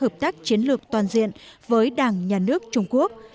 các chiến lược toàn diện với đảng nhà nước trung quốc